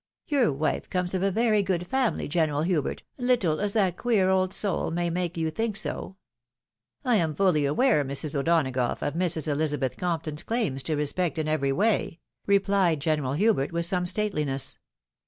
Your wife comes of a very good family, GenerJil Hubert, little as that queer old soul may make you think so." " I am fully aware, Mrs. O'Donagough, of Mrs. Elizabeth Compton's claims to respect in every way," replied General Hubert with some stateliness.